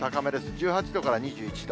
１８度から２１度。